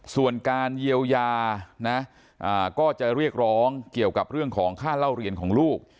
ส่วนการเยียวยานะก็จะเรียกร้องเกี่ยวกับเรื่องของค่าเล่าเรียนของลูก